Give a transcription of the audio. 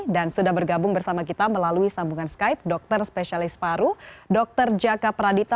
dan sudah bergabung bersama kita melalui sambungan skype dokter spesialis paru dokter jaka pradita